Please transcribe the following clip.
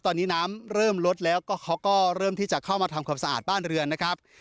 ตอนนี้น้ำเริ่มลดแล้วก็เขาก็เริ่มที่จะเข้ามาทำความสะอาดบ้านเรือนนะครับ